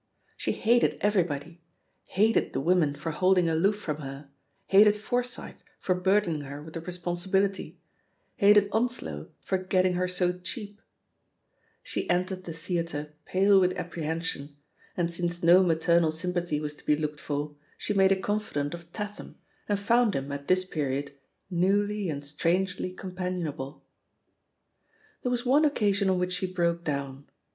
She hated everybody — Abated the women for holding aloof from her, hated Forsyth for burdening her, with the responsibility, hated Onslow for "get ting her so cheap" I She entered the theatre pale with apprehension ; and since no maternal sympa thy was to be looked for, she made a confidant of Tatham, and found him, at this period, newly and strangely companionable. There was one occasion on which she broke down.